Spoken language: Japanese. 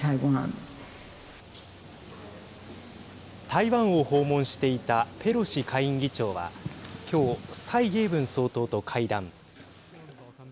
台湾を訪問していたペロシ下院議長は今日、蔡英文総統と会談。